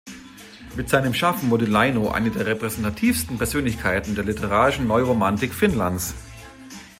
Mit seinem Schaffen wurde Leino eine der repräsentativsten Persönlichkeiten der literarischen Neuromantik Finnlands.